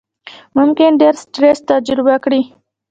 ممکن ډېر سټرس تجربه کړئ،